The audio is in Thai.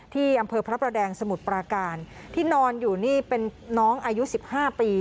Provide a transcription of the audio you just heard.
ที่อำเภอพระประแดงสมุทรปราการที่นอนอยู่นี่เป็นน้องอายุ๑๕ปี